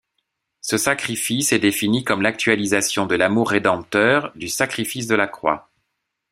Ce sacrifice est défini comme l'actualisation de l'amour rédempteur du sacrifice de la croix.